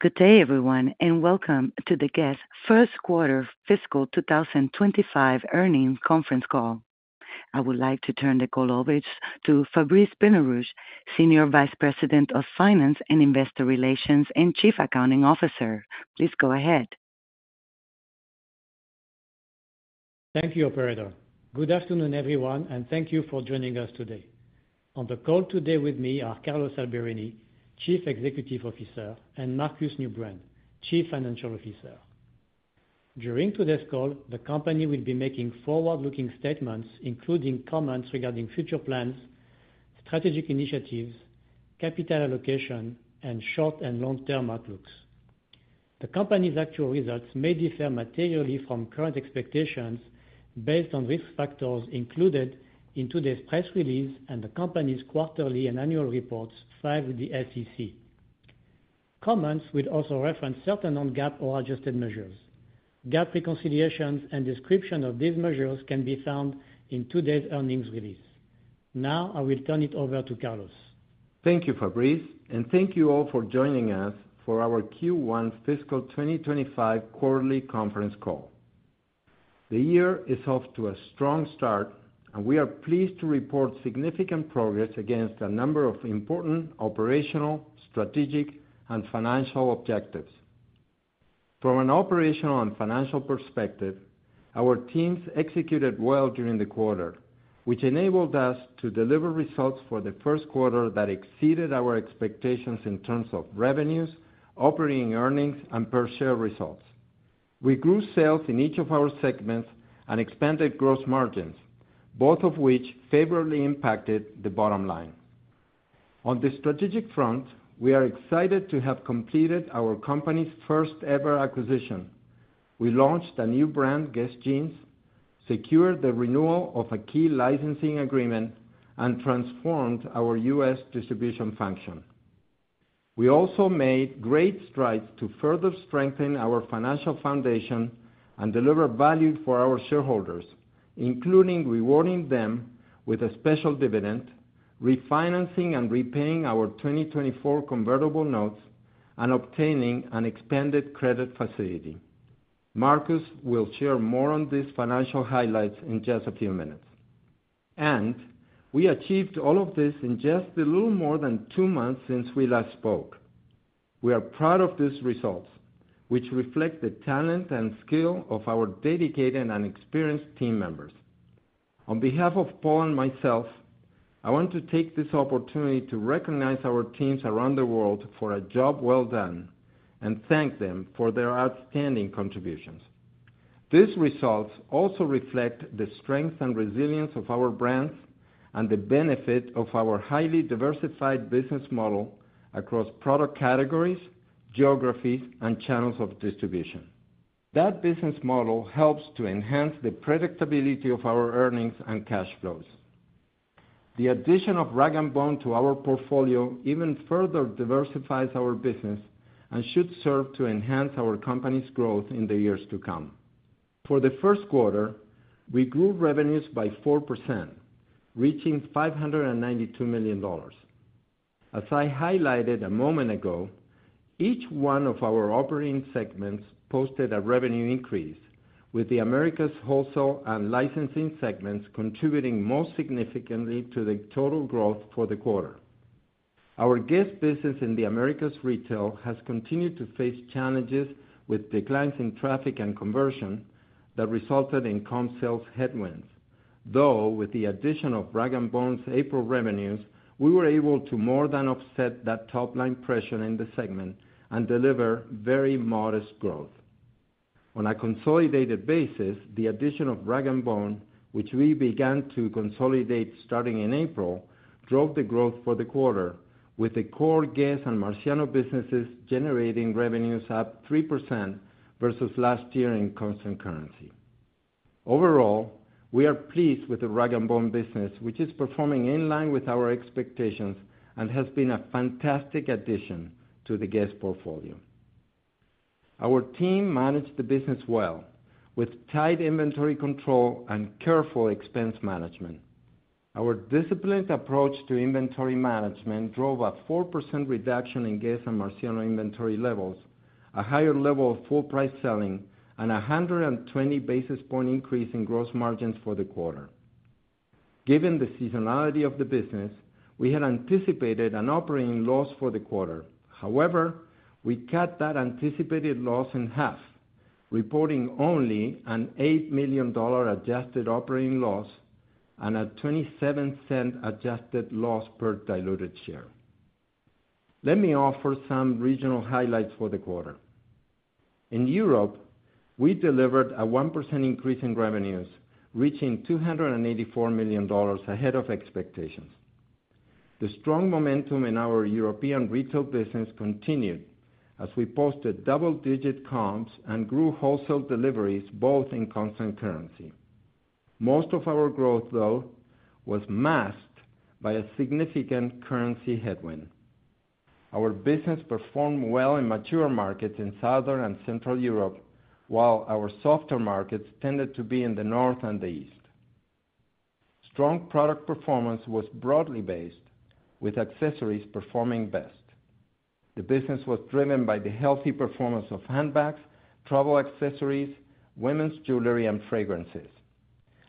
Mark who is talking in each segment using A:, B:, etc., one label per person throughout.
A: Good day, everyone, and welcome to the Guess? first quarter fiscal 2025 earnings conference call. I would like to turn the call over to Fabrice Benarouche, Senior Vice President of Finance and Investor Relations, and Chief Accounting Officer. Please go ahead.
B: Thank you, operator. Good afternoon, everyone, and thank you for joining us today. On the call today with me are Carlos Alberini, Chief Executive Officer, and Markus Neubrand, Chief Financial Officer. During today's call, the company will be making forward-looking statements, including comments regarding future plans, strategic initiatives, capital allocation, and short and long-term outlooks. The company's actual results may differ materially from current expectations based on risk factors included in today's press release and the company's quarterly and annual reports filed with the SEC. Comments will also reference certain non-GAAP or adjusted measures. GAAP reconciliations and description of these measures can be found in today's earnings release. Now, I will turn it over to Carlos.
C: Thank you, Fabrice, and thank you all for joining us for our Q1 fiscal 2025 quarterly conference call. The year is off to a strong start, and we are pleased to report significant progress against a number of important operational, strategic, and financial objectives. From an operational and financial perspective, our teams executed well during the quarter, which enabled us to deliver results for the first quarter that exceeded our expectations in terms of revenues, operating earnings, and per share results. We grew sales in each of our segments and expanded gross margins, both of which favorably impacted the bottom line. On the strategic front, we are excited to have completed our company's first ever acquisition. We launched a new brand, Guess Jeans, secured the renewal of a key licensing agreement, and transformed our U.S. distribution function. We also made great strides to further strengthen our financial foundation and deliver value for our shareholders, including rewarding them with a special dividend, refinancing and repaying our 2024 convertible notes, and obtaining an expanded credit facility. Markus will share more on these financial highlights in just a few minutes. We achieved all of this in just a little more than two months since we last spoke. We are proud of these results, which reflect the talent and skill of our dedicated and experienced team members. On behalf of Paul and myself, I want to take this opportunity to recognize our teams around the world for a job well done, and thank them for their outstanding contributions. These results also reflect the strength and resilience of our brands and the benefit of our highly diversified business model across product categories, geographies, and channels of distribution. That business model helps to enhance the predictability of our earnings and cash flows. The addition of Rag & Bone to our portfolio even further diversifies our business and should serve to enhance our company's growth in the years to come. For the first quarter, we grew revenues by 4%, reaching $592 million. As I highlighted a moment ago, each one of our operating segments posted a revenue increase, with the Americas Wholesale and Licensing segments contributing most significantly to the total growth for the quarter. Our Guess business in the Americas Retail has continued to face challenges with declines in traffic and conversion that resulted in comp sales headwinds. Though, with the addition of Rag & Bone's April revenues, we were able to more than offset that top line pressure in the segment and deliver very modest growth. On a consolidated basis, the addition of Rag & Bone, which we began to consolidate starting in April, drove the growth for the quarter, with the core Guess and Marciano businesses generating revenues up 3% versus last year in constant currency. Overall, we are pleased with the Rag & Bone business, which is performing in line with our expectations and has been a fantastic addition to the Guess portfolio. Our team managed the business well, with tight inventory control and careful expense management. Our disciplined approach to inventory management drove a 4% reduction in Guess and Marciano inventory levels, a higher level of full price selling, and a 120 basis point increase in gross margins for the quarter. Given the seasonality of the business, we had anticipated an operating loss for the quarter. However, we cut that anticipated loss in half, reporting only an $8 million adjusted operating loss and a $0.27 adjusted loss per diluted share. Let me offer some regional highlights for the quarter. In Europe, we delivered a 1% increase in revenues, reaching $284 million ahead of expectations. The strong momentum in our European retail business continued as we posted double-digit comps and grew wholesale deliveries, both in constant currency. Most of our growth, though, was masked by a significant currency headwind. Our business performed well in mature markets in Southern and Central Europe, while our softer markets tended to be in the North and the East.... Strong product performance was broadly based, with accessories performing best. The business was driven by the healthy performance of handbags, travel accessories, women's jewelry, and fragrances.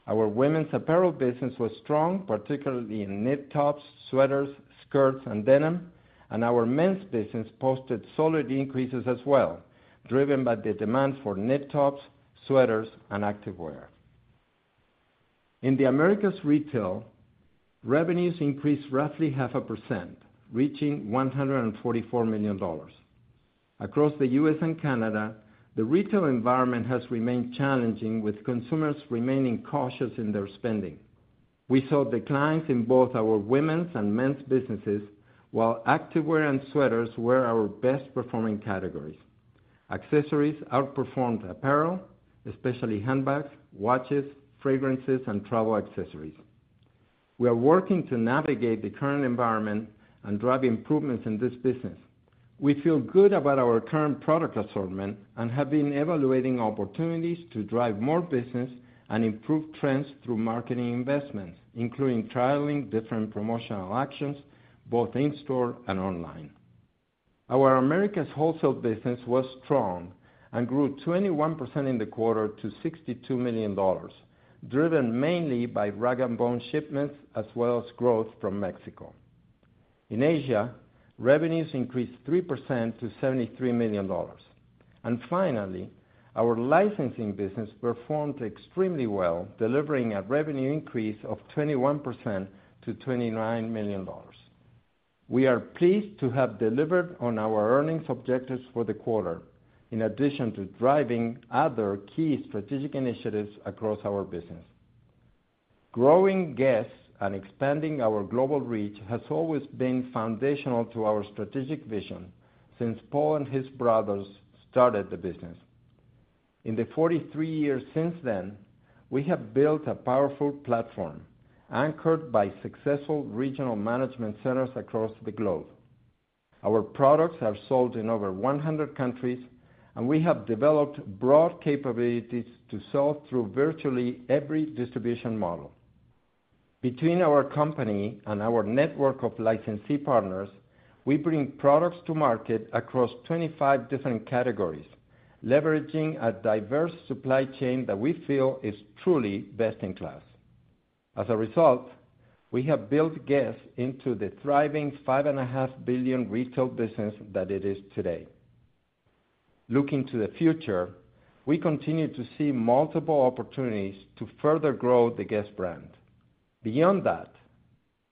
C: Our women's apparel business was strong, particularly in knit tops, sweaters, skirts, and denim, and our men's business posted solid increases as well, driven by the demand for knit tops, sweaters, and activewear. In the Americas retail, revenues increased roughly 0.5%, reaching $144 million. Across the U.S. and Canada, the retail environment has remained challenging, with consumers remaining cautious in their spending. We saw declines in both our women's and men's businesses, while activewear and sweaters were our best performing categories. Accessories outperformed apparel, especially handbags, watches, fragrances, and travel accessories. We are working to navigate the current environment and drive improvements in this business. We feel good about our current product assortment and have been evaluating opportunities to drive more business and improve trends through marketing investments, including trialing different promotional actions, both in-store and online. Our Americas wholesale business was strong and grew 21% in the quarter to $62 million, driven mainly by Rag & Bone shipments, as well as growth from Mexico. In Asia, revenues increased 3% to $73 million. And finally, our licensing business performed extremely well, delivering a revenue increase of 21% to $29 million. We are pleased to have delivered on our earnings objectives for the quarter, in addition to driving other key strategic initiatives across our business. Growing Guess and expanding our global reach has always been foundational to our strategic vision since Paul and his brothers started the business. In the 43 years since then, we have built a powerful platform, anchored by successful regional management centers across the globe. Our products are sold in over 100 countries, and we have developed broad capabilities to sell through virtually every distribution model. Between our company and our network of licensee partners, we bring products to market across 25 different categories, leveraging a diverse supply chain that we feel is truly best in class. As a result, we have built Guess? into the thriving $5.5 billion retail business that it is today. Looking to the future, we continue to see multiple opportunities to further grow the Guess? brand. Beyond that,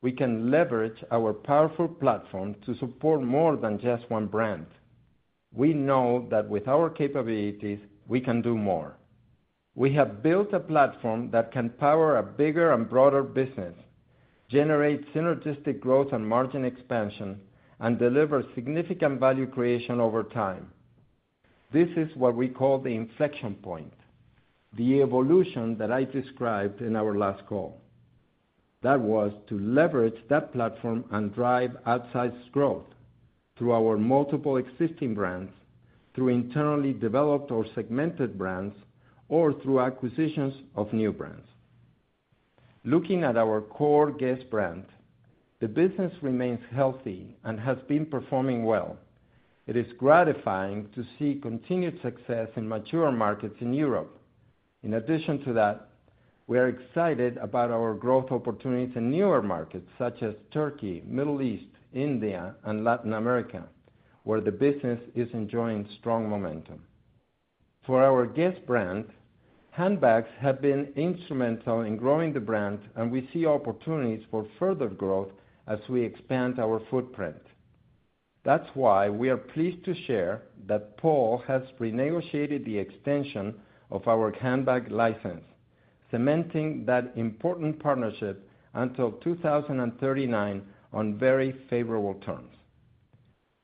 C: we can leverage our powerful platform to support more than just one brand. We know that with our capabilities, we can do more. We have built a platform that can power a bigger and broader business, generate synergistic growth and margin expansion, and deliver significant value creation over time. This is what we call the inflection point, the evolution that I described in our last call. That was to leverage that platform and drive outsized growth through our multiple existing brands, through internally developed or segmented brands, or through acquisitions of new brands. Looking at our core Guess brand, the business remains healthy and has been performing well. It is gratifying to see continued success in mature markets in Europe. In addition to that, we are excited about our growth opportunities in newer markets such as Turkey, Middle East, India, and Latin America, where the business is enjoying strong momentum. For our Guess brand, handbags have been instrumental in growing the brand, and we see opportunities for further growth as we expand our footprint. That's why we are pleased to share that Paul has renegotiated the extension of our handbag license, cementing that important partnership until 2039 on very favorable terms.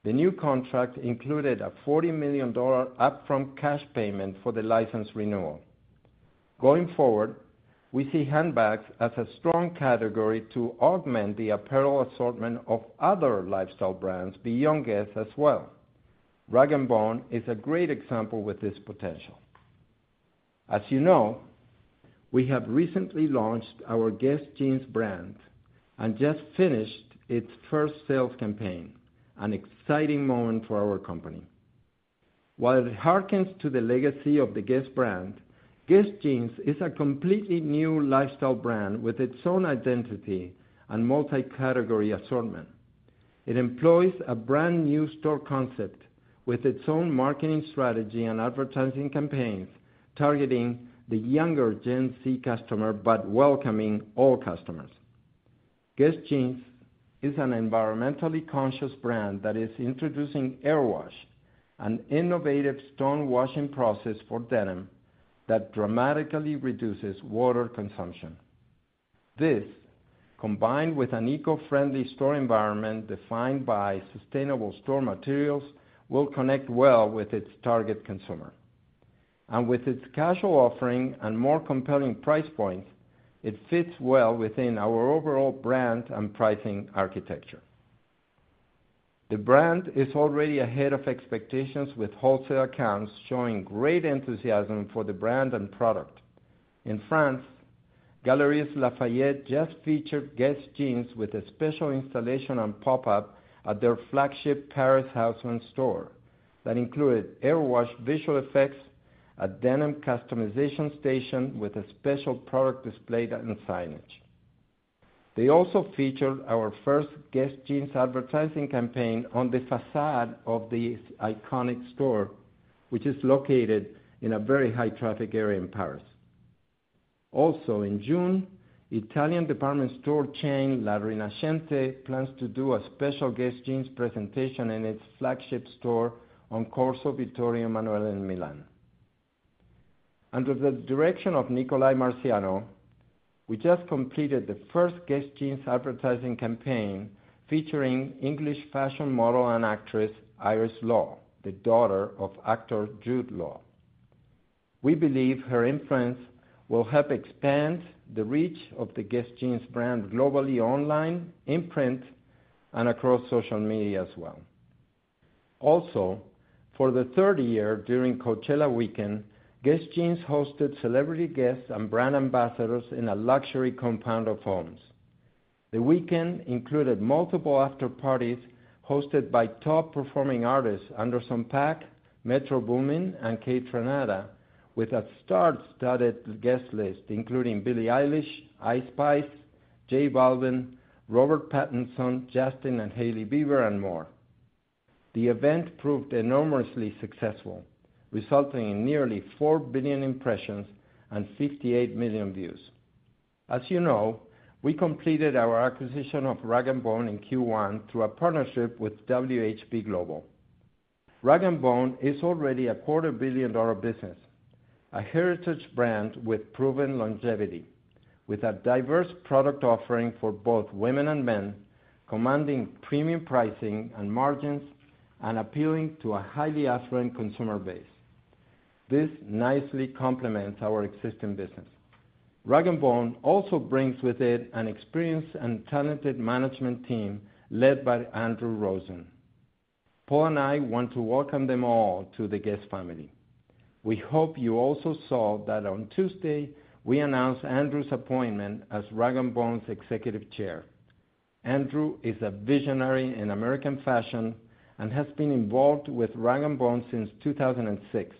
C: The new contract included a $40 million upfront cash payment for the license renewal. Going forward, we see handbags as a strong category to augment the apparel assortment of other lifestyle brands beyond Guess as well. Rag & Bone is a great example with this potential. As you know, we have recently launched our Guess Jeans brand and just finished its first sales campaign, an exciting moment for our company. While it hearkens to the legacy of the Guess brand, Guess Jeans is a completely new lifestyle brand with its own identity and multi-category assortment. It employs a brand new store concept with its own marketing strategy and advertising campaigns, targeting the younger Gen Z customer, but welcoming all customers. Guess Jeans is an environmentally conscious brand that is introducing Airwash, an innovative stone washing process for denim that dramatically reduces water consumption. This, combined with an eco-friendly store environment defined by sustainable store materials, will connect well with its target consumer. And with its casual offering and more compelling price points, it fits well within our overall brand and pricing architecture. The brand is already ahead of expectations, with wholesale accounts showing great enthusiasm for the brand and product. In France, Galeries Lafayette just featured Guess Jeans with a special installation and pop-up at their flagship Paris Haussmann store that included Airwash visual effects, a denim customization station with a special product display and signage. They also featured our first Guess Jeans advertising campaign on the facade of the iconic store, which is located in a very high traffic area in Paris. Also, in June, Italian department store chain, La Rinascente, plans to do a special Guess Jeans presentation in its flagship store on Corso Vittorio Emanuele in Milan. Under the direction of Nicolai Marciano, we just completed the first Guess Jeans advertising campaign featuring English fashion model and actress, Iris Law, the daughter of actor Jude Law. We believe her influence will help expand the reach of the Guess Jeans brand globally, online, in print, and across social media as well. Also, for the third year during Coachella weekend, Guess Jeans hosted celebrity guests and brand ambassadors in a luxury compound of homes. The weekend included multiple after-parties hosted by top performing artists Anderson .Paak, Metro Boomin, and Kaytranada, with a star-studded guest list, including Billie Eilish, Ice Spice, J. Balvin, Robert Pattinson, Justin and Hailey Bieber, and more. The event proved enormously successful, resulting in nearly 4 billion impressions and 58 million views. As you know, we completed our acquisition of Rag & Bone in Q1 through a partnership with WHP Global. Rag & Bone is already a quarter billion dollar business, a heritage brand with proven longevity, with a diverse product offering for both women and men, commanding premium pricing and margins, and appealing to a highly affluent consumer base. This nicely complements our existing business. Rag & Bone also brings with it an experienced and talented management team, led by Andrew Rosen. Paul and I want to welcome them all to the Guess family. We hope you also saw that on Tuesday, we announced Andrew's appointment as Rag & Bone's Executive Chair. Andrew is a visionary in American fashion and has been involved with Rag & Bone since 2006.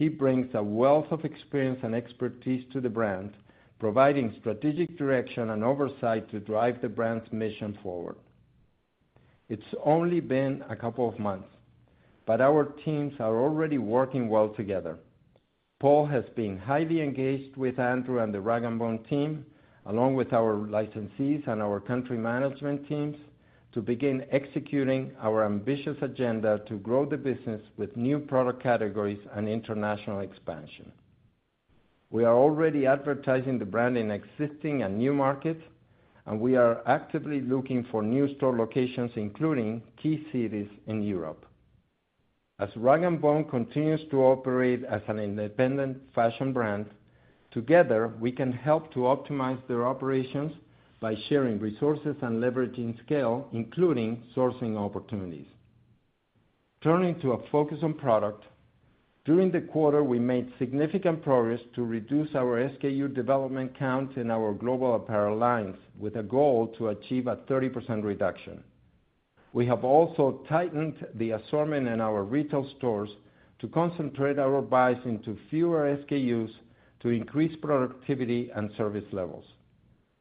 C: He brings a wealth of experience and expertise to the brand, providing strategic direction and oversight to drive the brand's mission forward. It's only been a couple of months, but our teams are already working well together. Paul has been highly engaged with Andrew and the Rag & Bone team, along with our licensees and our country management teams, to begin executing our ambitious agenda to grow the business with new product categories and international expansion. We are already advertising the brand in existing and new markets, and we are actively looking for new store locations, including key cities in Europe. Rag & Bone continues to operate as an independent fashion brand, together, we can help to optimize their operations by sharing resources and leveraging scale, including sourcing opportunities. Turning to a focus on product, during the quarter, we made significant progress to reduce our SKU development count in our global apparel lines, with a goal to achieve a 30% reduction. We have also tightened the assortment in our retail stores to concentrate our buys into fewer SKUs to increase productivity and service levels.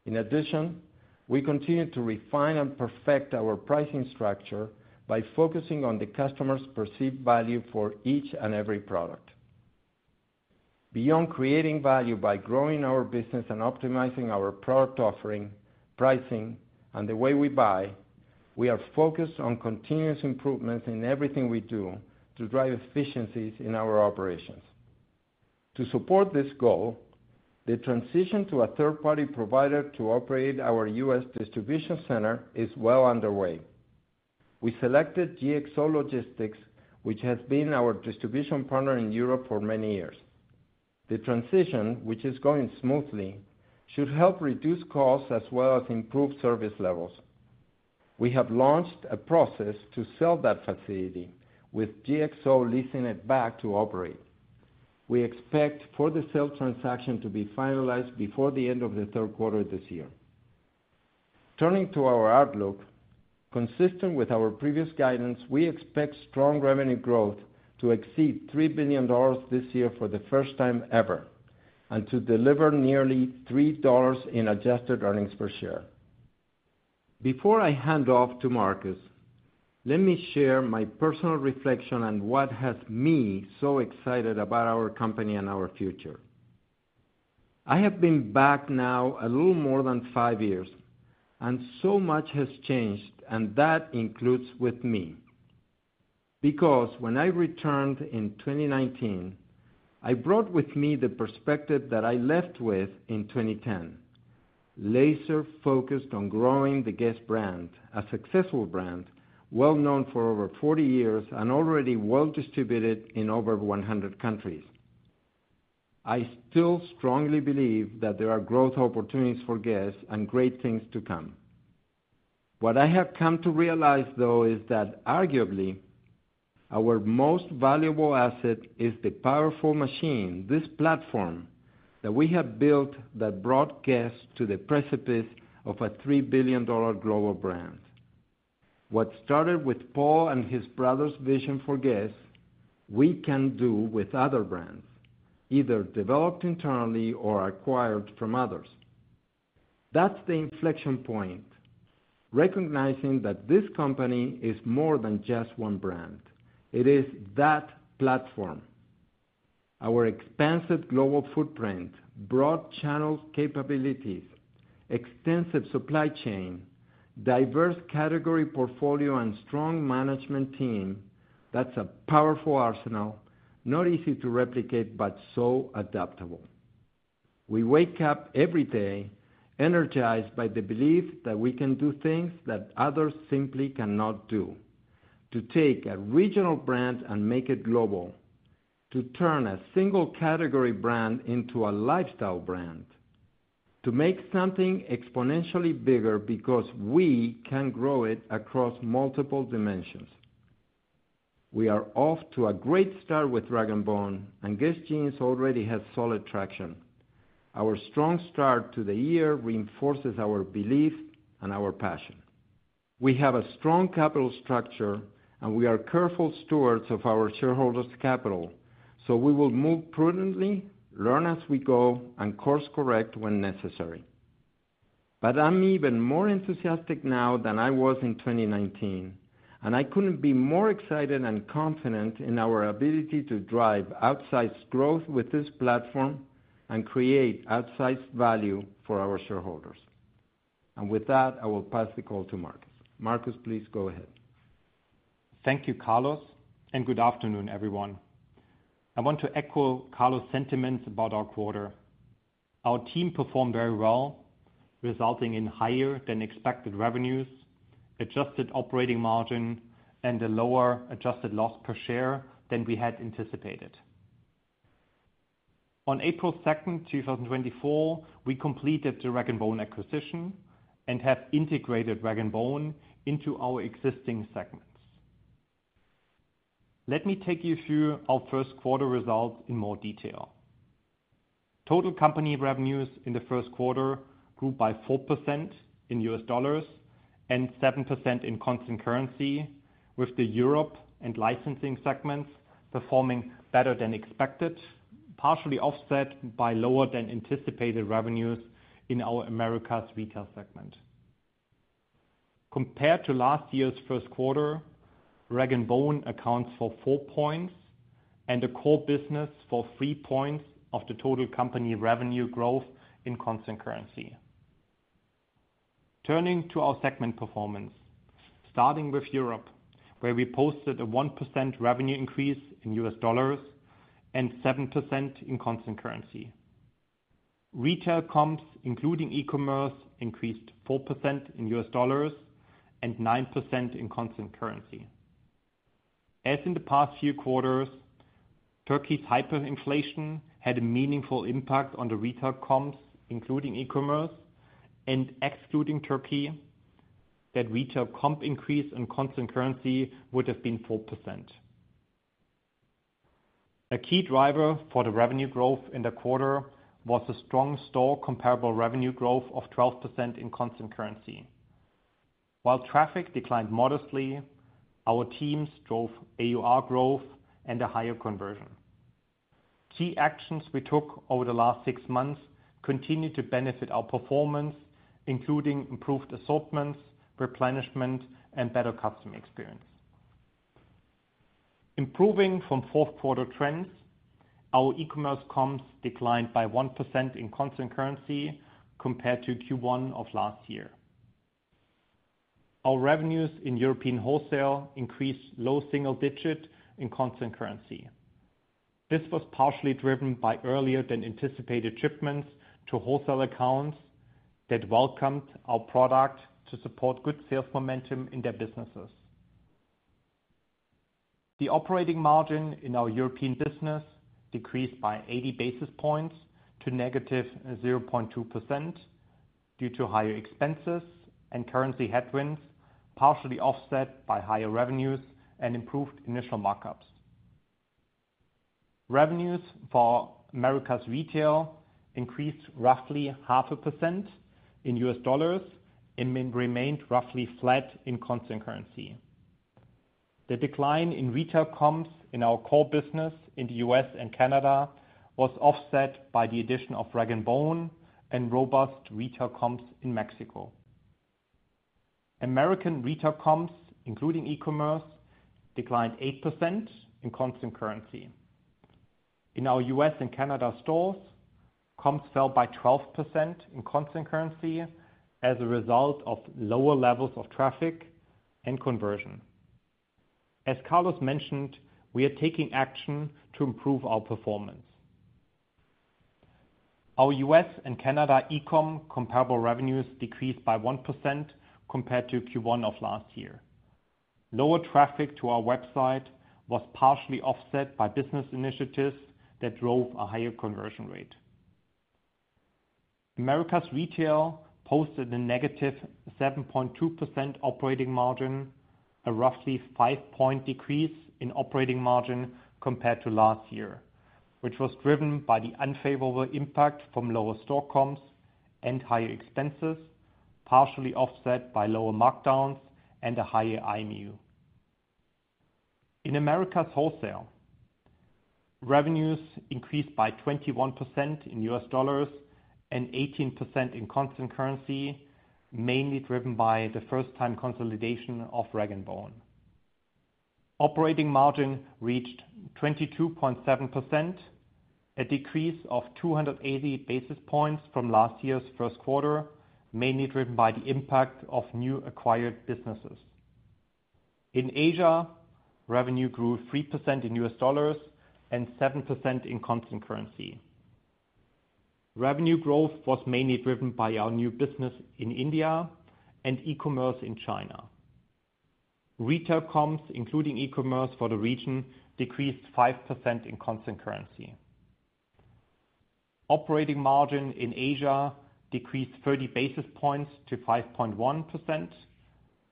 C: In addition, we continue to refine and perfect our pricing structure by focusing on the customer's perceived value for each and every product. Beyond creating value by growing our business and optimizing our product offering, pricing, and the way we buy, we are focused on continuous improvements in everything we do to drive efficiencies in our operations. To support this goal, the transition to a third-party provider to operate our U.S. distribution center is well underway. We selected GXO Logistics, which has been our distribution partner in Europe for many years. The transition, which is going smoothly, should help reduce costs as well as improve service levels. We have launched a process to sell that facility, with GXO leasing it back to operate. We expect for the sale transaction to be finalized before the end of the third quarter this year. Turning to our outlook, consistent with our previous guidance, we expect strong revenue growth to exceed $3 billion this year for the first time ever, and to deliver nearly $3 in adjusted earnings per share. Before I hand off to Markus, let me share my personal reflection on what has me so excited about our company and our future. I have been back now a little more than 5 years, and so much has changed, and that includes with me. Because when I returned in 2019, I brought with me the perspective that I left with in 2010: laser focused on growing the Guess? brand, a successful brand, well known for over 40 years and already well distributed in over 100 countries. I still strongly believe that there are growth opportunities for Guess? and great things to come. What I have come to realize, though, is that arguably, our most valuable asset is the powerful machine, this platform, that we have built that brought Guess to the precipice of a $3 billion global brand. What started with Paul and his brother's vision for Guess, we can do with other brands, either developed internally or acquired from others. That's the inflection point, recognizing that this company is more than just one brand. It is that platform. Our expansive global footprint, broad channel capabilities, extensive supply chain, diverse category portfolio, and strong management team, that's a powerful arsenal, not easy to replicate, but so adaptable. We wake up every day energized by the belief that we can do things that others simply cannot do, to take a regional brand and make it global, to turn a single category brand into a lifestyle brand, to make something exponentially bigger because we can grow it across multiple dimensions. We are off to a great start with Rag & Bone, and Guess Jeans already has solid traction. Our strong start to the year reinforces our belief and our passion. We have a strong capital structure, and we are careful stewards of our shareholders' capital, so we will move prudently, learn as we go, and course-correct when necessary. But I'm even more enthusiastic now than I was in 2019, and I couldn't be more excited and confident in our ability to drive outsized growth with this platform and create outsized value for our shareholders. With that, I will pass the call to Markus. Markus, please go ahead.
D: Thank you, Carlos, and good afternoon, everyone. I want to echo Carlos' sentiments about our quarter. Our team performed very well, resulting in higher than expected revenues, adjusted operating margin, and a lower adjusted loss per share than we had anticipated. On April 2, 2024, we completed the Rag & Bone acquisition and have integrated Rag & Bone into our existing segments. Let me take you through our first quarter results in more detail. Total company revenues in the first quarter grew by 4% in U.S. dollars and 7% in constant currency, with the Europe and licensing segments performing better than expected, partially offset by lower than anticipated revenues in our Americas retail segment. Compared to last year's first quarter, Rag & Bone accounts for 4 points and the core business for 3 points of the total company revenue growth in constant currency. Turning to our segment performance, starting with Europe, where we posted a 1% revenue increase in U.S. dollars and 7% in constant currency. Retail comps, including e-commerce, increased 4% in U.S. dollars and 9% in constant currency. As in the past few quarters, Turkey's hyperinflation had a meaningful impact on the retail comps, including e-commerce, and excluding Turkey, that retail comp increase in constant currency would have been 4%. A key driver for the revenue growth in the quarter was a strong store comparable revenue growth of 12% in constant currency. While traffic declined modestly, our teams drove AUR growth and a higher conversion. Key actions we took over the last six months continued to benefit our performance, including improved assortments, replenishment, and better customer experience. Improving from fourth quarter trends, our e-commerce comps declined by 1% in constant currency compared to Q1 of last year. Our revenues in European wholesale increased low single digit in constant currency. This was partially driven by earlier than anticipated shipments to wholesale accounts that welcomed our product to support good sales momentum in their businesses. The operating margin in our European business decreased by 80 basis points to negative 0.2% due to higher expenses and currency headwinds, partially offset by higher revenues and improved initial markups. Revenues for Americas retail increased roughly 0.5% in U.S. dollars and remained roughly flat in constant currency. The decline in retail comps in our core business in the U.S. and Canada was offset by the addition of Rag & Bone and robust retail comps in Mexico. Americas retail comps, including e-commerce, declined 8% in constant currency. In our U.S. and Canada stores, comps fell by 12% in constant currency as a result of lower levels of traffic and conversion. As Carlos mentioned, we are taking action to improve our performance. Our U.S. and Canada e-com comparable revenues decreased by 1% compared to Q1 of last year. Lower traffic to our website was partially offset by business initiatives that drove a higher conversion rate. Americas retail posted a negative 7.2% operating margin, a roughly 5-point decrease in operating margin compared to last year, which was driven by the unfavorable impact from lower store comps and higher expenses, partially offset by lower markdowns and a higher IMU. In Americas wholesale, revenues increased by 21% in U.S. dollars and 18% in constant currency, mainly driven by the first time consolidation of Rag & Bone. Operating margin reached 22.7%, a decrease of 280 basis points from last year's first quarter, mainly driven by the impact of new acquired businesses. In Asia, revenue grew 3% in U.S. dollars and 7% in constant currency. Revenue growth was mainly driven by our new business in India and e-commerce in China. Retail comps, including e-commerce for the region, decreased 5% in constant currency. Operating margin in Asia decreased 30 basis points to 5.1%.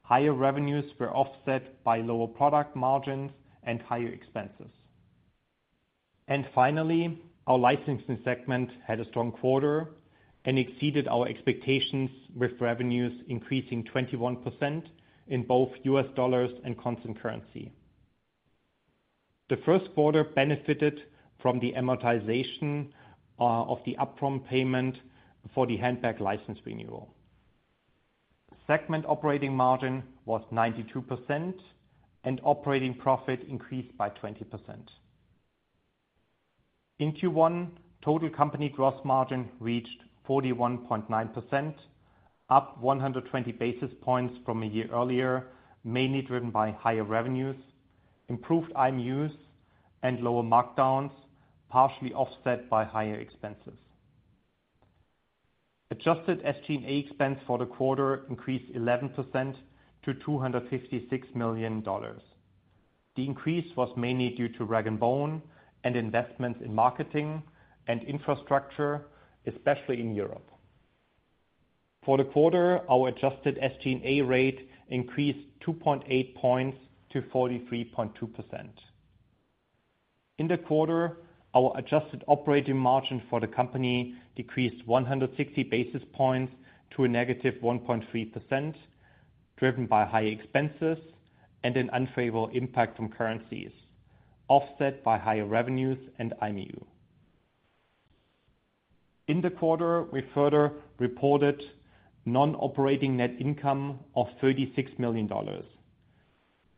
D: Higher revenues were offset by lower product margins and higher expenses. And finally, our licensing segment had a strong quarter and exceeded our expectations, with revenues increasing 21% in both U.S. dollars and constant currency. The first quarter benefited from the amortization of the upfront payment for the handbag license renewal. Segment operating margin was 92%, and operating profit increased by 20%. In Q1, total company gross margin reached 41.9%, up 120 basis points from a year earlier, mainly driven by higher revenues, improved IMUs, and lower markdowns, partially offset by higher expenses. Adjusted SG&A expense for the quarter increased 11% to $256 million. The increase was mainly due to Rag & Bone and investments in marketing and infrastructure, especially in Europe. For the quarter, our adjusted SG&A rate increased 2.8 points to 43.2%. In the quarter, our adjusted operating margin for the company decreased 160 basis points to a negative 1.3%, driven by high expenses and an unfavorable impact from currencies, offset by higher revenues and IMU. In the quarter, we further reported non-operating net income of $36 million.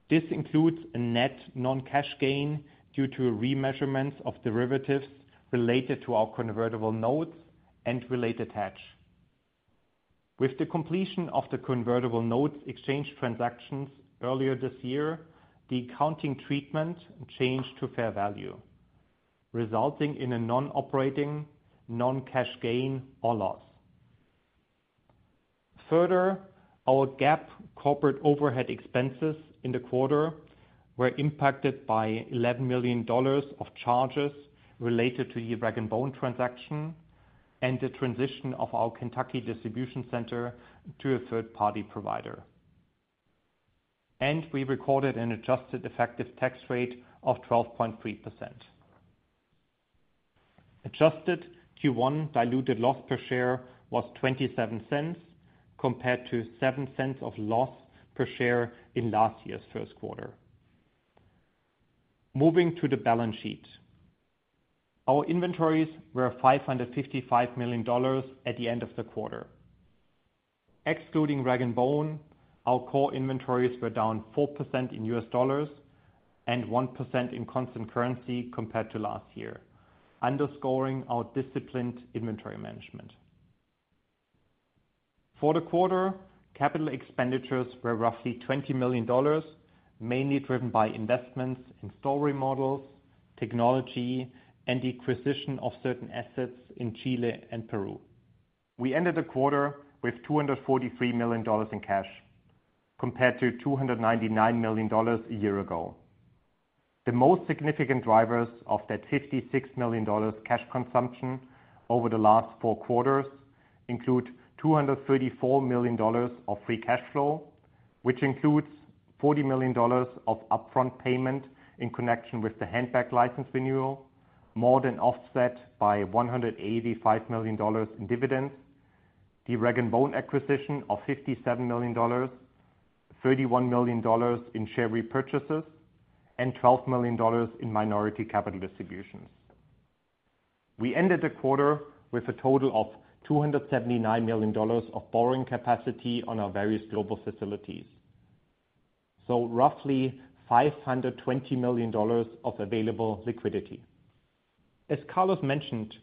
D: This includes a net non-cash gain due to remeasurements of derivatives related to our convertible notes and related hedge. With the completion of the convertible notes exchange transactions earlier this year, the accounting treatment changed to fair value, resulting in a non-operating, non-cash gain or loss. Further, our GAAP corporate overhead expenses in the quarter were impacted by $11 million of charges related to the Rag & Bone transaction and the transition of our Kentucky distribution center to a third-party provider. We recorded an adjusted effective tax rate of 12.3%. Adjusted Q1 diluted loss per share was $0.27, compared to $0.07 of loss per share in last year's first quarter. Moving to the balance sheet. Our inventories were $555 million at the end of the quarter. Excluding Rag & Bone, our core inventories were down 4% in U.S. dollars and 1% in constant currency compared to last year, underscoring our disciplined inventory management. For the quarter, capital expenditures were roughly $20 million, mainly driven by investments in store remodels, technology, and the acquisition of certain assets in Chile and Peru. We ended the quarter with $243 million in cash, compared to $299 million a year ago. The most significant drivers of that $56 million cash consumption over the last 4 quarters include $234 million of free cash flow, which includes $40 million of upfront payment in connection with the handbag license renewal, more than offset by $185 million in dividends, the Rag & Bone acquisition of $57 million, $31 million in share repurchases, and $12 million in minority capital distributions. We ended the quarter with a total of $279 million of borrowing capacity on our various global facilities, so roughly $520 million of available liquidity. As Carlos mentioned,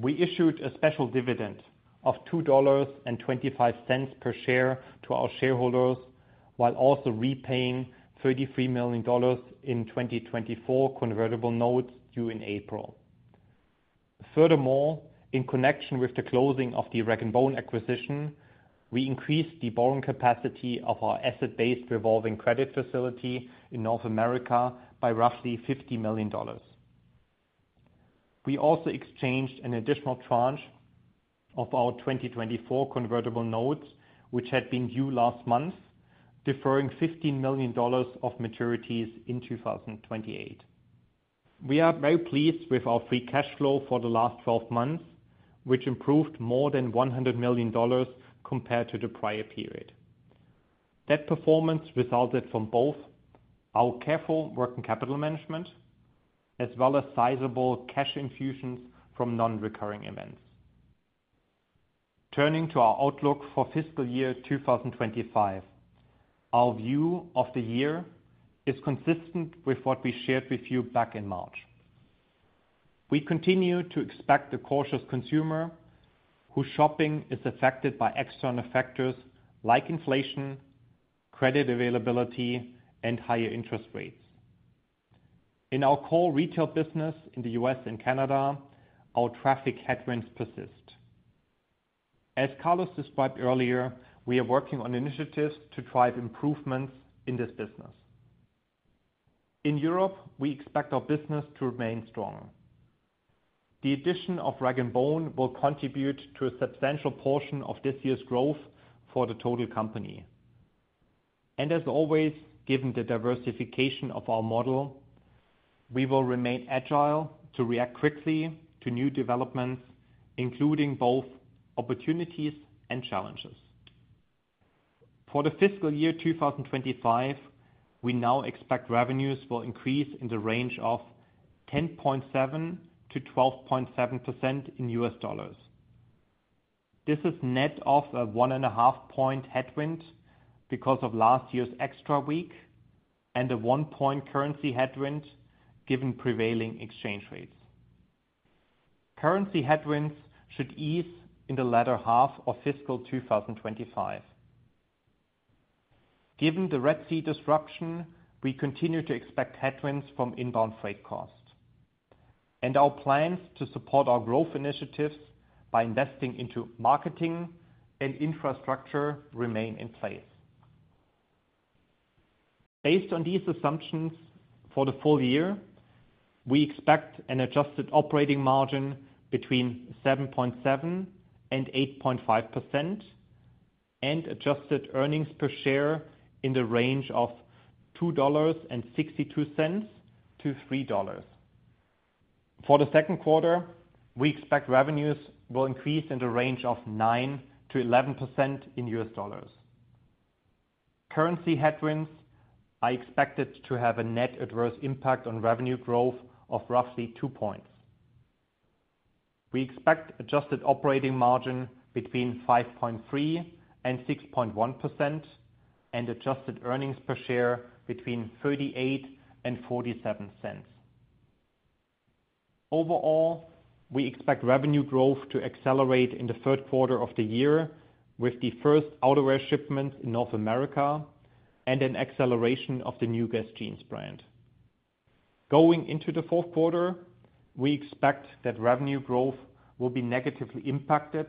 D: we issued a special dividend of $2.25 per share to our shareholders while also repaying $33 million in 2024 convertible notes due in April. Furthermore, in connection with the closing of the Rag & Bone acquisition, we increased the borrowing capacity of our asset-based revolving credit facility in North America by roughly $50 million. We also exchanged an additional tranche of our 2024 convertible notes, which had been due last month, deferring $15 million of maturities in 2028. We are very pleased with our free cash flow for the last 12 months, which improved more than $100 million compared to the prior period. That performance resulted from both our careful working capital management as well as sizable cash infusions from non-recurring events. Turning to our outlook for fiscal year 2025, our view of the year is consistent with what we shared with you back in March. We continue to expect a cautious consumer, whose shopping is affected by external factors like inflation, credit availability, and higher interest rates. In our core retail business in the U.S. and Canada, our traffic headwinds persist. As Carlos described earlier, we are working on initiatives to drive improvements in this business. In Europe, we expect our business to remain strong. The Rag & Bone will contribute to a substantial portion of this year's growth for the total company. As always, given the diversification of our model, we will remain agile to react quickly to new developments, including both opportunities and challenges. For the fiscal year 2025, we now expect revenues will increase in the range of 10.7%-12.7% in U.S. dollars. This is net of a 1.5-point headwind because of last year's extra week and a 1-point currency headwind, given prevailing exchange rates. Currency headwinds should ease in the latter half of fiscal 2025. Given the Red Sea disruption, we continue to expect headwinds from inbound freight costs, and our plans to support our growth initiatives by investing into marketing and infrastructure remain in place. Based on these assumptions, for the full year, we expect an adjusted operating margin between 7.7% and 8.5%, and adjusted earnings per share in the range of $2.62-$3. For the second quarter, we expect revenues will increase in the range of 9%-11% in U.S. dollars. Currency headwinds are expected to have a net adverse impact on revenue growth of roughly 2 points. We expect adjusted operating margin between 5.3%-6.1%, and adjusted earnings per share between $0.38-$0.47. Overall, we expect revenue growth to accelerate in the third quarter of the year with the first outerwear shipments in North America and an acceleration of the new Guess Jeans brand. Going into the fourth quarter, we expect that revenue growth will be negatively impacted,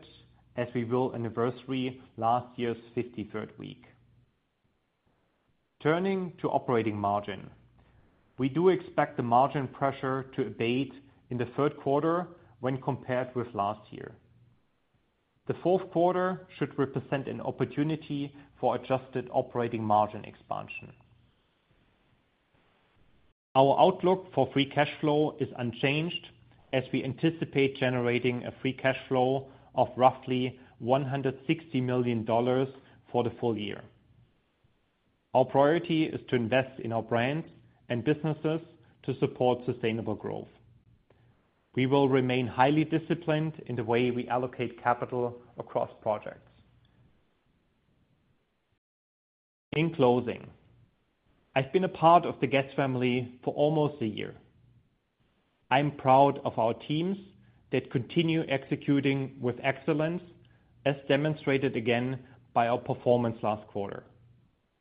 D: as we will anniversary last year's 53rd week. Turning to operating margin, we do expect the margin pressure to abate in the third quarter when compared with last year. The fourth quarter should represent an opportunity for adjusted operating margin expansion. Our outlook for free cash flow is unchanged, as we anticipate generating a free cash flow of roughly $160 million for the full year. Our priority is to invest in our brands and businesses to support sustainable growth. We will remain highly disciplined in the way we allocate capital across projects. In closing, I've been a part of the Guess family for almost a year. I'm proud of our teams that continue executing with excellence, as demonstrated again by our performance last quarter.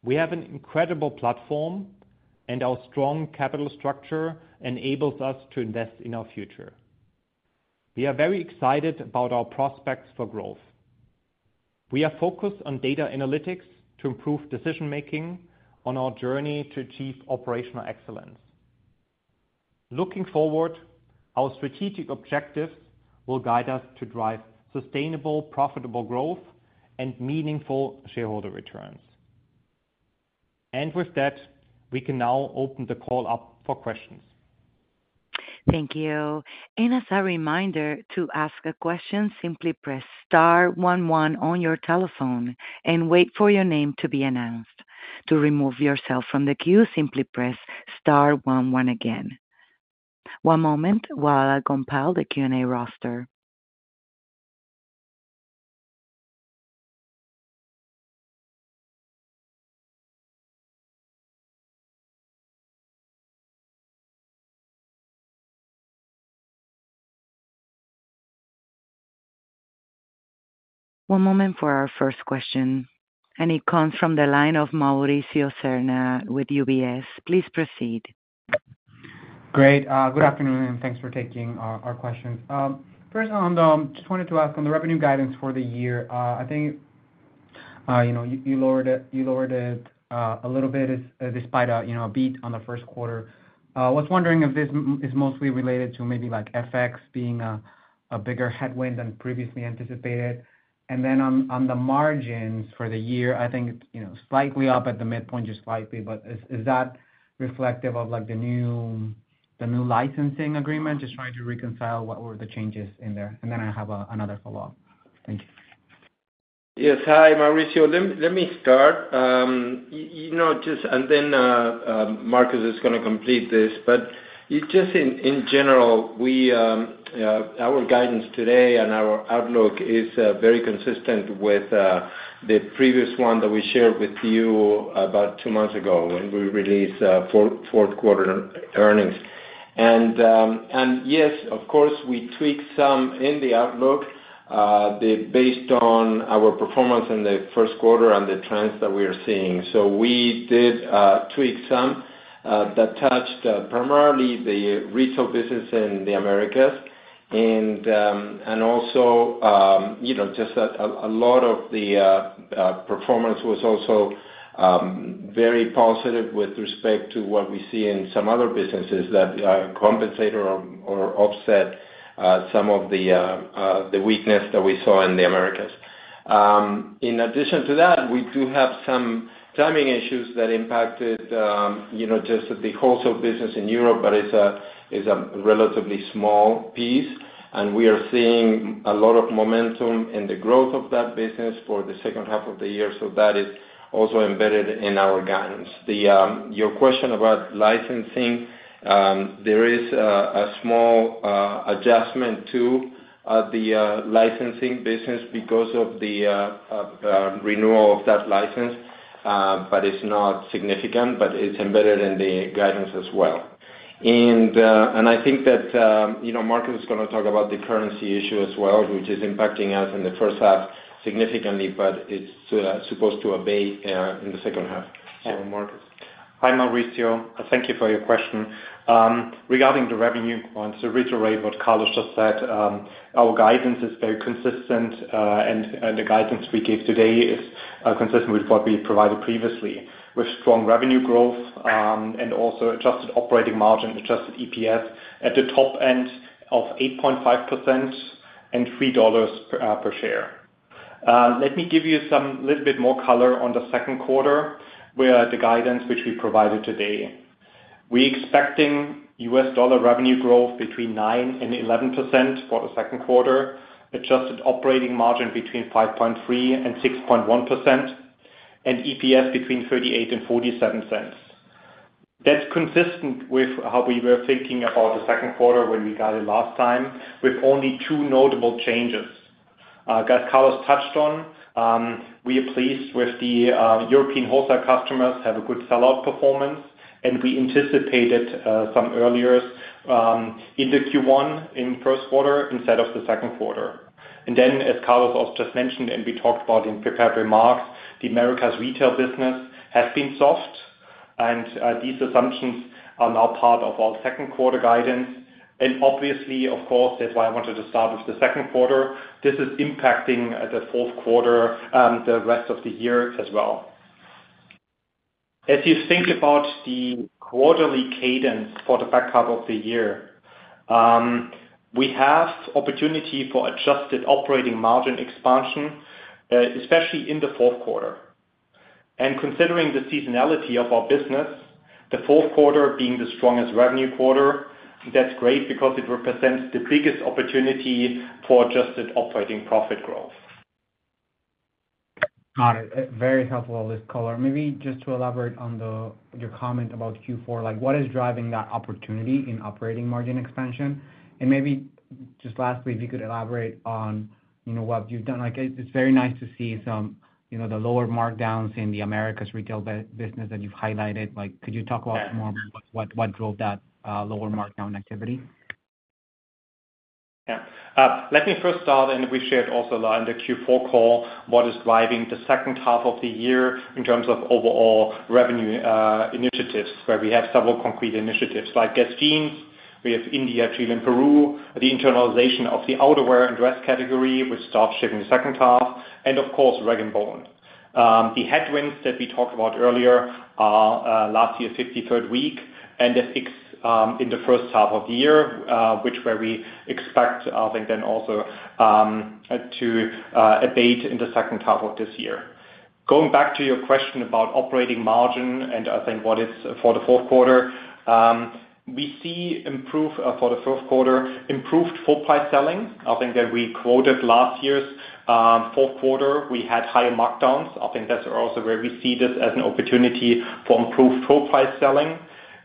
D: We have an incredible platform, and our strong capital structure enables us to invest in our future. We are very excited about our prospects for growth. We are focused on data analytics to improve decision-making on our journey to achieve operational excellence. Looking forward, our strategic objectives will guide us to drive sustainable, profitable growth and meaningful shareholder returns. With that, we can now open the call up for questions.
A: Thank you. And as a reminder, to ask a question, simply press star one one on your telephone and wait for your name to be announced. To remove yourself from the queue, simply press star one one again. One moment while I compile the Q&A roster. One moment for our first question, and it comes from the line of Mauricio Serna with UBS. Please proceed.
E: Great. Good afternoon, and thanks for taking our questions. First on, just wanted to ask on the revenue guidance for the year. I think, you know, you lowered it a little bit, despite a, you know, a beat on the first quarter. I was wondering if this is mostly related to maybe like FX being a bigger headwind than previously anticipated? And then on the margins for the year, I think, you know, slightly up at the midpoint, just slightly, but is that reflective of like the new licensing agreement? Just trying to reconcile what were the changes in there. And then I have another follow-up. Thank you.
C: Yes. Hi, Mauricio. Let me, let me start. You know, just and then Markus is gonna complete this. But just in general, we, our guidance today and our outlook is very consistent with the previous one that we shared with you about two months ago when we released fourth quarter earnings. And yes, of course, we tweaked some in the outlook based on our performance in the first quarter and the trends that we are seeing. So we did tweak some that touched primarily the retail business in the Americas. And also, you know, just a lot of the performance was also very positive with respect to what we see in some other businesses that compensate or offset some of the weakness that we saw in the Americas. In addition to that, we do have some timing issues that impacted, you know, just the wholesale business in Europe, but it's a relatively small piece, and we are seeing a lot of momentum in the growth of that business for the second half of the year, so that is also embedded in our guidance. Your question about licensing, there is a small adjustment to the licensing business because of the renewal of that license, but it's not significant, but it's embedded in the guidance as well. And I think that, you know, Markus is gonna talk about the currency issue as well, which is impacting us in the first half significantly, but it's supposed to abate in the second half. So, Markus.
D: Hi, Mauricio. Thank you for your question. Regarding the revenue points, to reiterate what Carlos just said, our guidance is very consistent, and the guidance we gave today is consistent with what we provided previously, with strong revenue growth, and also adjusted operating margin, adjusted EPS at the top end of 8.5% and $3 per share. Let me give you some little bit more color on the second quarter, where the guidance which we provided today. We expecting U.S. dollar revenue growth between 9% and 11% for the second quarter, adjusted operating margin between 5.3% and 6.1%, and EPS between 38 and 47 cents. That's consistent with how we were thinking about the second quarter when we guided last time, with only two notable changes. As Carlos touched on, we are pleased with the European wholesale customers have a good sell-out performance, and we anticipated some earlier in the Q1, in first quarter, instead of the second quarter. Then, as Carlos also just mentioned, and we talked about in prepared remarks, the Americas retail business has been soft, and these assumptions are now part of our second quarter guidance. Obviously, of course, that's why I wanted to start with the second quarter. This is impacting the fourth quarter, the rest of the year as well. As you think about the quarterly cadence for the back half of the year, we have opportunity for adjusted operating margin expansion, especially in the fourth quarter. Considering the seasonality of our business, the fourth quarter being the strongest revenue quarter, that's great because it represents the biggest opportunity for adjusted operating profit growth.
E: Got it. Very helpful, all this color. Maybe just to elaborate on the, your comment about Q4, like, what is driving that opportunity in operating margin expansion? And maybe just lastly, if you could elaborate on, you know, what you've done. Like, it's very nice to see some, you know, the lower markdowns in the Americas retail business that you've highlighted. Like, could you talk about more-
D: Yeah...
E: what, what drove that lower markdown activity?
D: Yeah. Let me first start, and we shared also on the Q4 call what is driving the second half of the year in terms of overall revenue initiatives, where we have several concrete initiatives like Guess Jeans, we have India, Chile, and Peru, the internalization of the outerwear and dress category, which starts shipping the second half, and Rag & Bone. the headwinds that we talked about earlier last year, 53rd week, and the fix in the first half of the year, which where we expect, I think, then also to abate in the second half of this year. Going back to your question about operating margin, and I think what is for the fourth quarter, we see improve for the fourth quarter, improved full price selling. I think that we quoted last year's fourth quarter, we had higher markdowns. I think that's also where we see this as an opportunity for improved full price selling.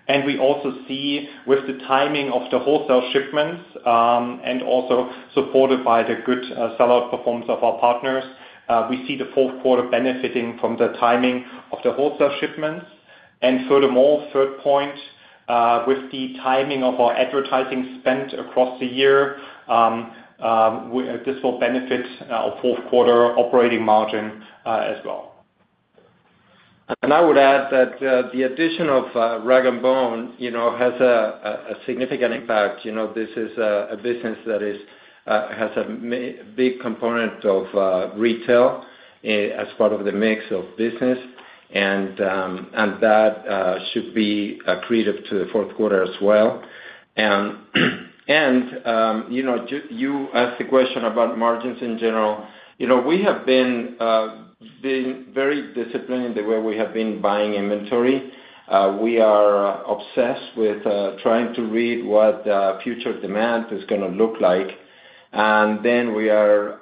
D: And we also see with the timing of the wholesale shipments, and also supported by the good sell-out performance of our partners, we see the fourth quarter benefiting from the timing of the wholesale shipments. And furthermore, third point, with the timing of our advertising spend across the year, this will benefit our fourth quarter operating margin, as well.
C: And I would add that, the addition of Rag & Bone, you know, has a significant impact. You know, this is a business that has a big component of retail as part of the mix of business. And that should be accretive to the fourth quarter as well. And you know, you asked the question about margins in general. You know, we have been very disciplined in the way we have been buying inventory. We are obsessed with trying to read what future demand is gonna look like. And then we are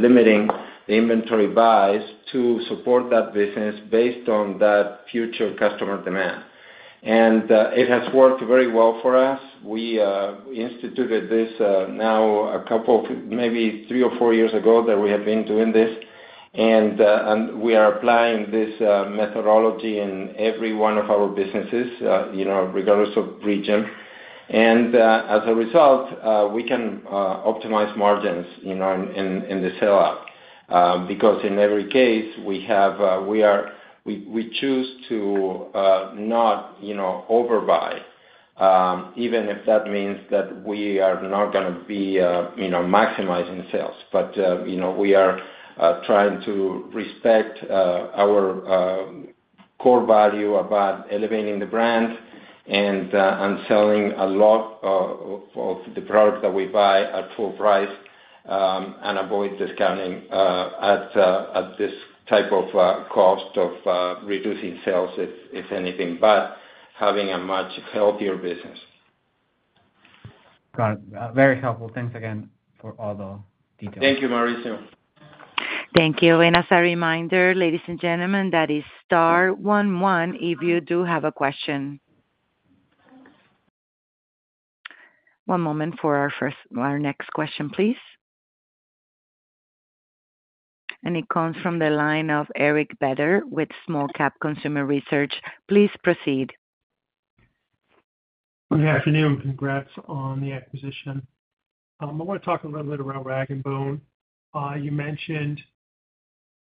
C: limiting the inventory buys to support that business based on that future customer demand. And it has worked very well for us. We, we instituted this, now a couple, maybe three or four years ago, that we have been doing this. And, and we are applying this, methodology in every one of our businesses, you know, regardless of region. And, as a result, we can, optimize margins, you know, in, in, in the sell-out. Because in every case, we have, we choose to, not, you know, overbuy, even if that means that we are not gonna be, you know, maximizing sales. You know, we are trying to respect our core value about elevating the brand and selling a lot of the products that we buy at full price and avoid discounting at the cost of reducing sales, if anything, but having a much healthier business.
E: Got it. Very helpful. Thanks again for all the details.
C: Thank you, Mauricio.
A: Thank you. And as a reminder, ladies and gentlemen, that is star one one if you do have a question. One moment for our first... our next question, please. And it comes from the line of Eric Beder with Small Cap Consumer Research. Please proceed.
F: Good afternoon. Congrats on the acquisition. I wanna talk a little bit about Rag & Bone. You mentioned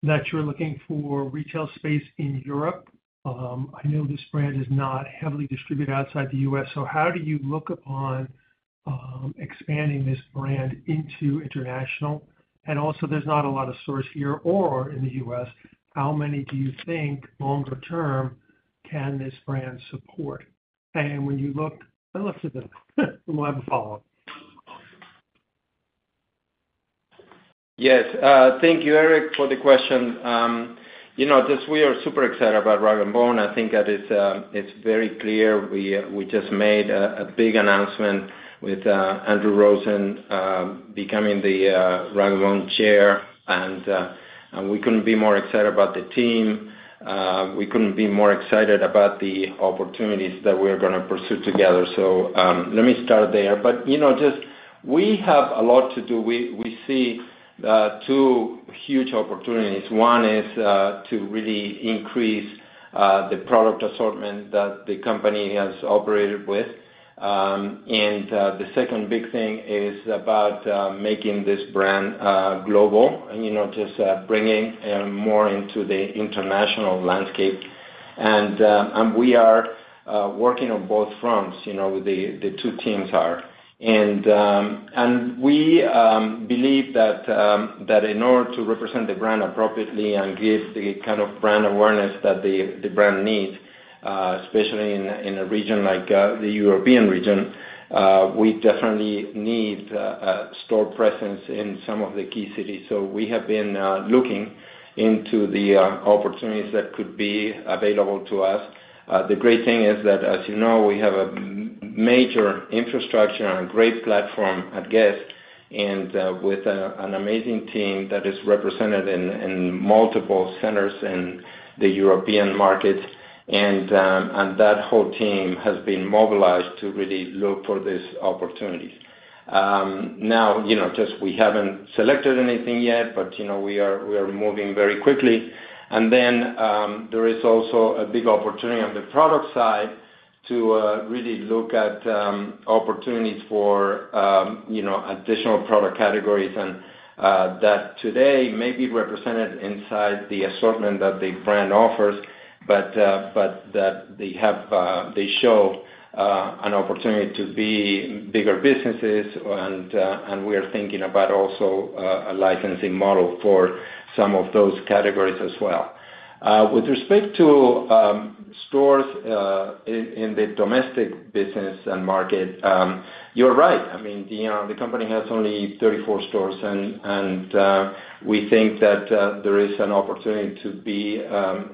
F: that you're looking for retail space in Europe. I know this brand is not heavily distributed outside the U.S., so how do you look upon expanding this brand into international? And also, there's not a lot of stores here or in the U.S., how many do you think, longer term, can this brand support? And when you look, I'll look to the We'll have a follow-up.
C: Yes. Thank you, Eric, for the question. You know, just we are super excited about Rag & Bone. I think that it's, it's very clear. We just made a big announcement with Andrew Rosen becoming the Rag & Bone chair, and we couldn't be more excited about the team. We couldn't be more excited about the opportunities that we're gonna pursue together. So, let me start there. But, you know, just we have a lot to do. We see two huge opportunities. One is to really increase the product assortment that the company has operated with. And the second big thing is about making this brand global and, you know, just bringing more into the international landscape. And we are working on both fronts, you know, the two teams are. And we believe that in order to represent the brand appropriately and give the kind of brand awareness that the brand needs, especially in a region like the European region, we definitely need a store presence in some of the key cities. So we have been looking into the opportunities that could be available to us. The great thing is that, as you know, we have a major infrastructure and a great platform at Guess, and with an amazing team that is represented in multiple centers in the European markets. And that whole team has been mobilized to really look for these opportunities. Now, you know, just we haven't selected anything yet, but, you know, we are moving very quickly. And then, there is also a big opportunity on the product side to really look at opportunities for, you know, additional product categories, and that today may be represented inside the assortment that the brand offers, but that they show an opportunity to be bigger businesses. And we are thinking about also a licensing model for some of those categories as well. With respect to stores in the domestic business and market, you're right. I mean, the company has only 34 stores, and we think that there is an opportunity to be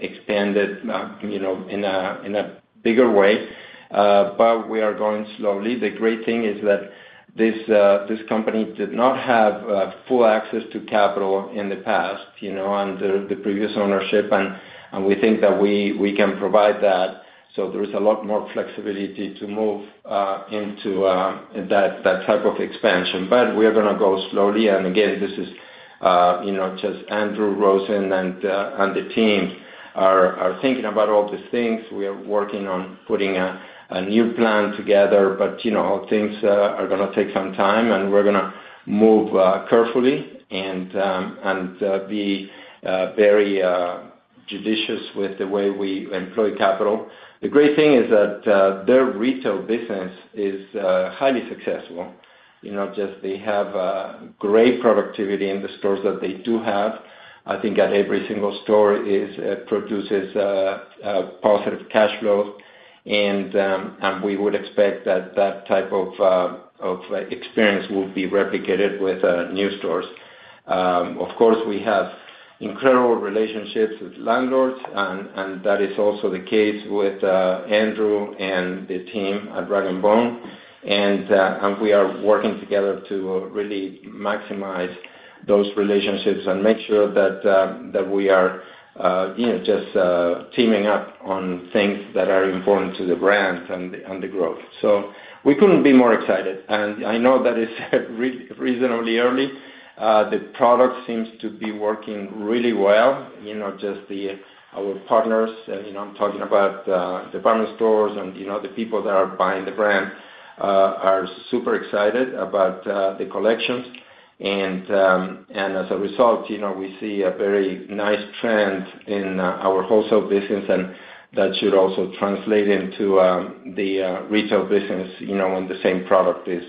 C: expanded, you know, in a bigger way, but we are going slowly. The great thing is that this company did not have full access to capital in the past, you know, under the previous ownership, and we think that we can provide that. So there is a lot more flexibility to move into that type of expansion. But we are gonna go slowly, and again, this is, you know, just Andrew Rosen and the team are thinking about all these things. We are working on putting a new plan together, but you know, things are gonna take some time, and we're gonna move carefully and be very judicious with the way we employ capital. The great thing is that their retail business is highly successful. You know, just they have great productivity in the stores that they do have. I think that every single store is produces positive cash flow, and we would expect that that type of experience will be replicated with new stores. Of course, we have incredible relationships with landlords, and that is also the case with Andrew and the team at Rag & Bone. We are working together to really maximize those relationships and make sure that we are, you know, just teaming up on things that are important to the brand and the growth. So we couldn't be more excited, and I know that it's reasonably early. The product seems to be working really well, you know. Our partners, you know, I'm talking about department stores and the people that are buying the brand, are super excited about the collections. And as a result, you know, we see a very nice trend in our wholesale business, and that should also translate into the retail business, you know, when the same product is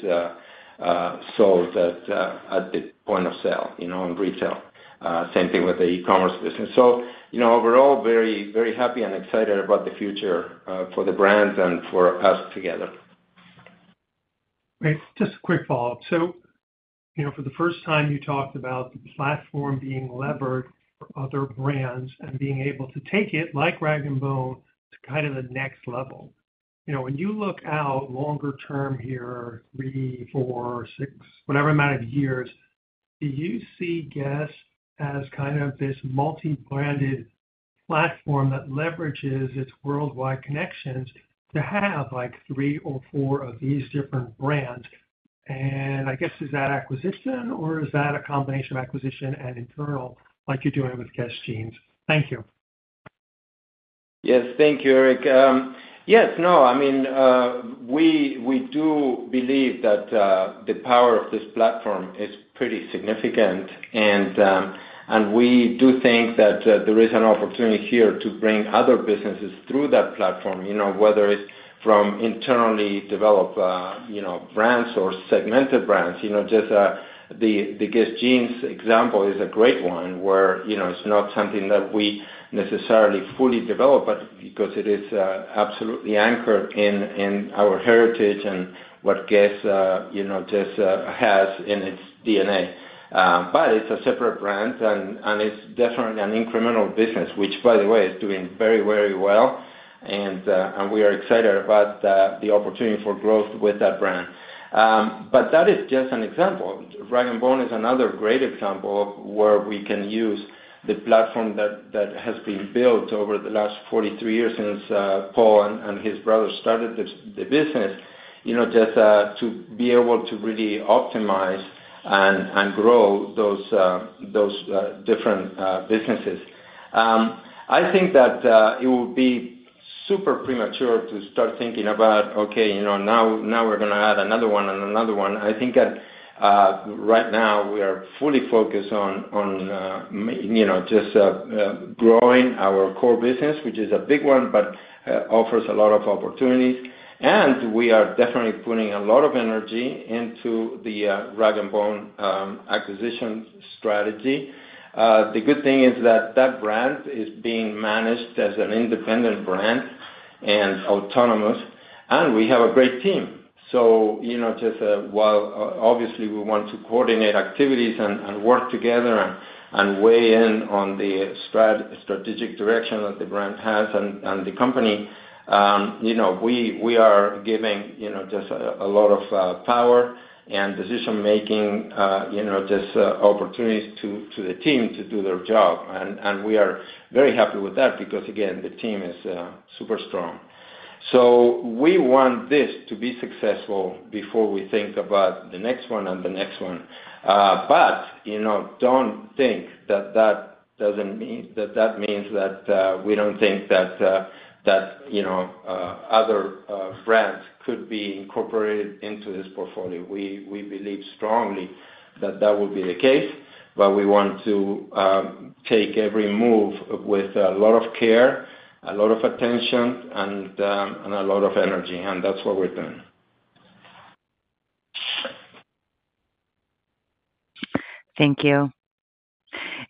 C: sold at the point of sale, you know, in retail. Same thing with the e-commerce business. So, you know, overall, very, very happy and excited about the future, for the brands and for us together.
F: Great. Just a quick follow-up. So, you know, for the first time, you talked about the platform being levered for other brands and being able to take it, like Rag & Bone, to kind of the next level. You know, when you look out longer term here, three, four, six, whatever amount of years, do you see Guess? as kind of this multi-branded platform that leverages its worldwide connections to have, like, three or four of these different brands? And I guess, is that acquisition, or is that a combination of acquisition and internal, like you're doing with Guess Jeans? Thank you.
C: Yes, thank you, Eric. Yes, no, I mean, we do believe that the power of this platform is pretty significant, and we do think that there is an opportunity here to bring other businesses through that platform. You know, whether it's from internally developed, you know, brands or segmented brands, you know, just the Guess Jeans example is a great one, where, you know, it's not something that we necessarily fully develop, but because it is absolutely anchored in our heritage and what Guess, you know, just has in its DNA. But it's a separate brand and it's definitely an incremental business, which, by the way, is doing very, very well, and we are excited about the opportunity for growth with that brand. But that is just an example. Rag & Bone is another great example of where we can use the platform that has been built over the last 43 years since Paul and his brother started this, the business, you know, just to be able to really optimize and grow those different businesses. I think that it would be super premature to start thinking about, okay, you know, now we're gonna add another one and another one. I think that right now we are fully focused on you know, just growing our core business, which is a big one, but offers a lot of opportunities. And we are definitely putting a lot of energy into the Rag & Bone acquisition strategy. The good thing is that that brand is being managed as an independent brand and autonomous, and we have a great team. So, you know, just, while obviously, we want to coordinate activities and work together and weigh in on the strategic direction that the brand has and the company, you know, we are giving, you know, just a lot of power and decision-making, you know, just opportunities to the team to do their job. And we are very happy with that because, again, the team is super strong. So we want this to be successful before we think about the next one and the next one. But, you know, don't think that that doesn't mean... That means that we don't think that, you know, other brands could be incorporated into this portfolio. We believe strongly that that will be the case, but we want to take every move with a lot of care, a lot of attention, and a lot of energy, and that's what we're doing.
A: Thank you.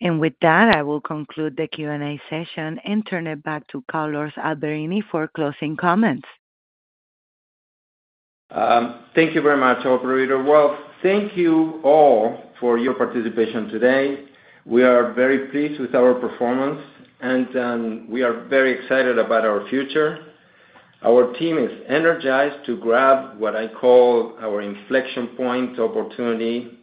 A: With that, I will conclude the Q&A session and turn it back to Carlos Alberini for closing comments.
C: Thank you very much, operator. Well, thank you all for your participation today. We are very pleased with our performance, and we are very excited about our future. Our team is energized to grab what I call our inflection point opportunity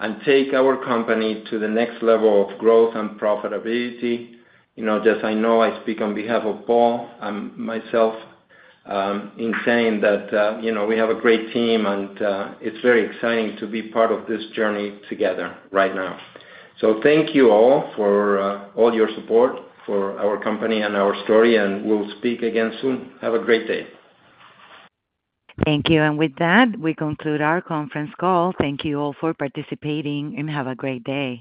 C: and take our company to the next level of growth and profitability. You know, just I know I speak on behalf of Paul and myself, in saying that, you know, we have a great team, and it's very exciting to be part of this journey together right now. So thank you all for all your support for our company and our story, and we'll speak again soon. Have a great day.
A: Thank you. With that, we conclude our conference call. Thank you all for participating, and have a great day.